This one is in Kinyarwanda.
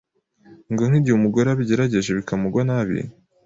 Ngo nk’igihe umugore abigerageje bikamugwa nabi,